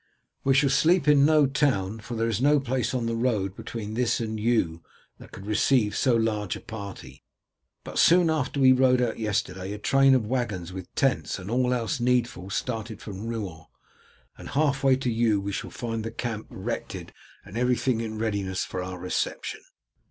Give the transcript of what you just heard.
"We shall sleep in no town, for there is no place on the road between this and Eu that could receive so large a party; but soon after we rode out yesterday a train of waggons with tents and all else needful started from Rouen, and half way to Eu we shall find the camp erected and everything in readiness for our reception."